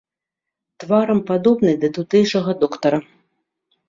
Тварам падобны да тутэйшага доктара.